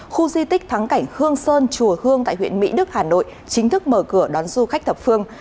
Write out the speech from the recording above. khu di tích thắng cảnh hương sơn chùa hương tại huyện mỹ đức hà nội chính thức mở cửa đón du khách thập phương